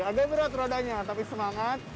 agak berat rodanya tapi semangat